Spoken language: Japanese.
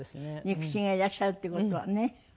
肉親がいらっしゃるっていう事はね。